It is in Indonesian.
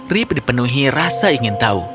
rip dipenuhi rasa ingin tahu